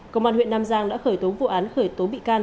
cơ quan huyện nam giang đã khởi tố vụ án khởi tố bị can